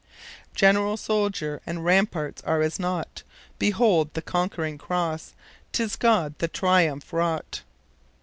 'General, soldier, and ramparts are as naught! Behold the conquering Cross! 'Tis God the triumph wrought!'